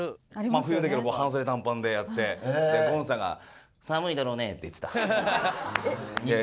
真冬だけど半袖短パンでやってゴンさんが「寒いだろうね」って言ってた。